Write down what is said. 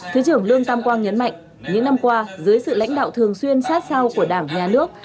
thứ trưởng lương tam quang nhấn mạnh những năm qua dưới sự lãnh đạo thường xuyên sát sao của đảng nhà nước